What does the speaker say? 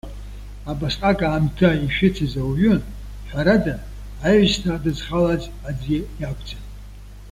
Абасҟак аамҭа ишәыцыз ауаҩы, ҳәарада, аҩсҭаа дызхалаз аӡәы иакәӡам.